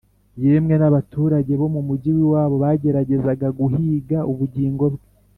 yemwe n’abaturage bo mu mugi w’iwabo bageragezaga guhiga ubugingo bwe